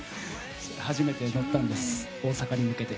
初めて乗ったんです大阪に向けて。